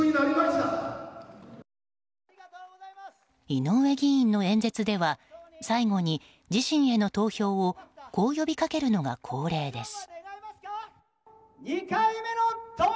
井上議員の演説では最後に、自身への投票をこう呼びかけるのが恒例です。